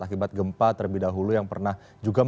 akibat gempa terlebih dahulu yang pernah juga